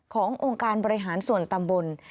ขององค์การบริหารส่วนตำบล